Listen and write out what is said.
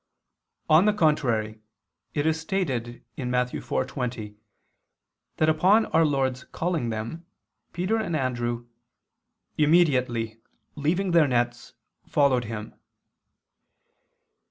On the contrary, It is stated (Matt. 4:20) that upon our Lord's calling them, Peter and Andrew "immediately leaving their nets, followed Him."